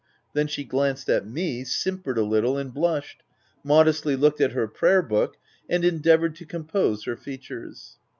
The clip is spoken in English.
Then, she glanced at me, simpered a little, and blushed, — mo destly looked at her prayer book, and endea voured to compose her features.